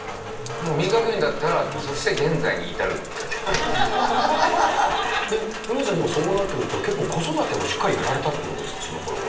もう短くいうんだったら、そしてフミヤさん、そうなってくると結構、子育てもしっかりやられたってことですか、そのころは。